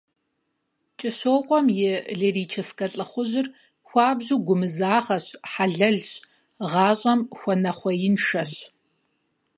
КӀыщокъуэм и лирическэ лӀыхъужьыр хуабжьу гумызагъэщ, хьэлэлщ, гъащӀэм хуэнэхъуеиншэщ.